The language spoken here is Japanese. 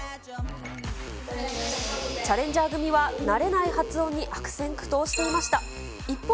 チャレンジャー組は慣れない発音に悪戦苦闘していました。